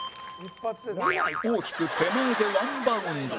大きく手前でワンバウンド